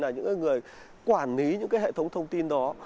những người quản lý những hệ thống thông tin đó